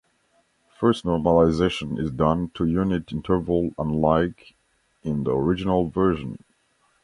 First normalization is done to unit interval unlike in the original version.